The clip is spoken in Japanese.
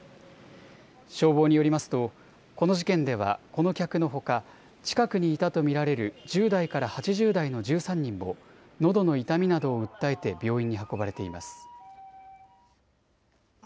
消防によりますとこの事件ではこの客のほか近くにいたと見られる１０代から８０代の１３人ものどの痛みなどを訴えて病院に運ばれています。